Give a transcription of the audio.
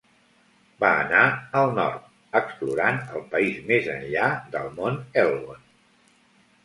Va anar al nord, explorant el país més enllà del mont Elgon.